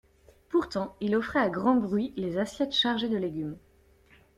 Pourtant il offrait à grand bruit les assiettes chargées de légumes.